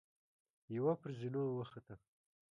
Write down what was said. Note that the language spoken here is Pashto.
يوه پر زينو وخته.